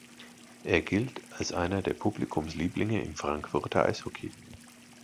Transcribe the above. Er gilt als einer der Publikumslieblinge im Frankfurter Eishockey.